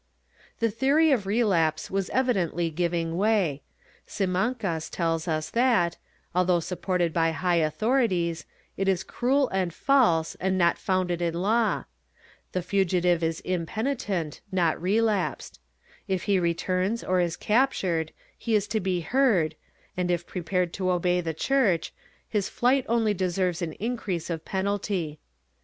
The theory of relapse was evidently giving way. Simancas tells us that, although supported by high authorities, it is cruel and false and not founded in law; the fugitive is impenitent, not relapsed; if he returns or is captured he is to be heard, and if pre pared to obey the Church, Ms flight only deserves an increase of penalty.